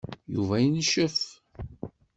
Yuba yencef.